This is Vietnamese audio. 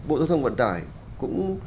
bộ thông vận tải cũng